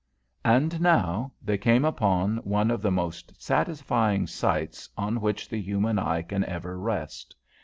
And now they came upon one of the most satisfying sights on which the human eye can ever rest.